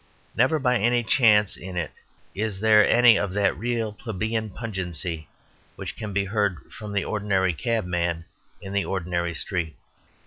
Never by any chance in it is there any of that real plebeian pungency which can be heard from the ordinary cabman in the ordinary street.